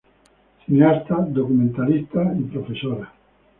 Cineasta, documentalista y profesora.